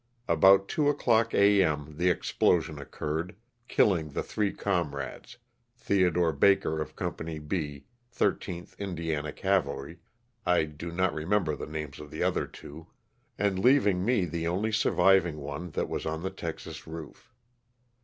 About two o'clock A. M. the explosion occurred, killing the three comrades, (Theodore Baker of Company B, 13th Indi ana Cavalry, I do not remember the names of the other two), and leaving me the only surviving one that was on the texas roof.